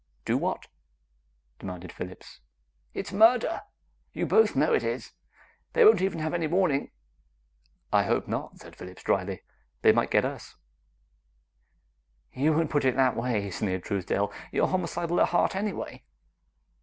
"Do what?" demanded Phillips. "It's murder! You both know it is! They won't even have any warning." "I hope not," said Phillips drily. "They might get us!" "You would put it that way," sneered Truesdale; "you're homicidal at heart anyway!"